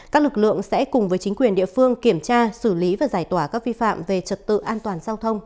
các lực lượng sẽ cùng với chính quyền địa phương kiểm tra xử lý và giải tỏa các vi phạm về trật tự an toàn giao thông